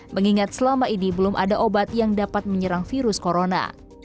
mengingat selama ini belum ada obat yang dapat menyerang virus corona